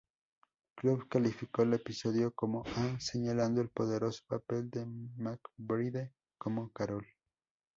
Club" calificó el episodio como A, señalando el poderoso papel de McBride como Carol.